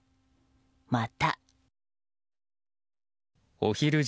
また。